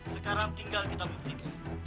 sekarang tinggal kita buktikan